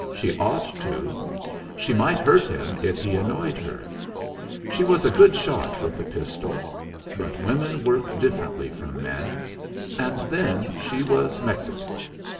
She ought to. She might hurt him if he annoyed her. She was a good shot with a pistol. But women work differently from men and then she was Mexican.